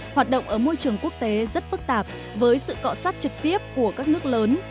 hoạt động ở môi trường quốc tế rất phức tạp với sự cọ sát trực tiếp của các nước lớn